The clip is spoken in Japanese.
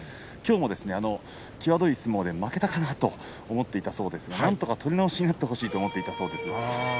きょうも際どい相撲で負けたかなと思っていたそうですがなんとか取り直しになってほしいと思っていたそうです。